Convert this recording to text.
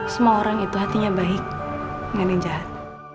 semua orang itu hatinya baik dengan yang jahat